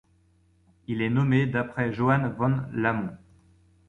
Il est nommé d'après Johann von Lamont.